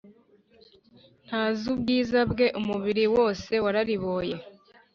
Ntazi ubwiza bwe umubiri wose warariboye